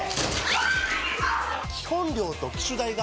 基本料と機種代が